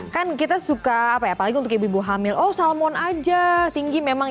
kan kita suka apa ya apalagi untuk ibu ibu hamil oh salmon aja tinggi memang